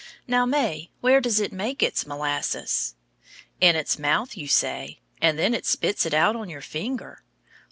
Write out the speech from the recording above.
Now, May, where does it make its molasses? In its mouth, you say, and then it spits it out on your finger.